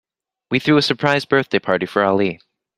We threw a surprise birthday party for Ali.